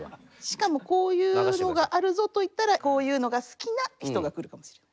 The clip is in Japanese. しかもこういうのがあるぞといったらこういうのが好きな人が来るかもしれない。